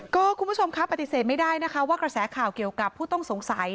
คุณผู้ชมครับปฏิเสธไม่ได้นะคะว่ากระแสข่าวเกี่ยวกับผู้ต้องสงสัย